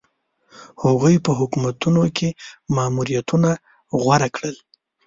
هغوی په حکومتونو کې ماموریتونه غوره کړل.